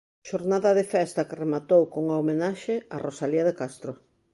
Xornada de festa que rematou cunha homenaxe a Rosalía de Castro.